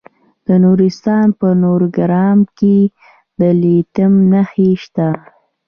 د نورستان په نورګرام کې د لیتیم نښې شته.